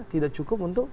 tidak cukup untuk